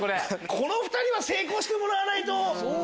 この２人は成功してもらわないと。